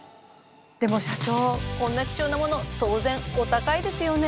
でも社長こんな貴重なもの当然お高いですよね？